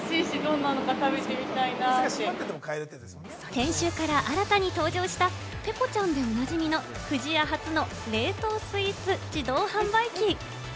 先週から新たに登場した、ペコちゃんでおなじみの不二家初の冷凍スイーツ自動販売機。